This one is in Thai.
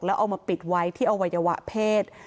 แล้วเอามาปิดไว้ที่อวัยวะเพศ